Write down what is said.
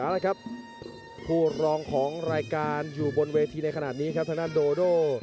เอาละครับผู้รองของรายการอยู่บนเวทีในขณะนี้ครับทางด้านโดโด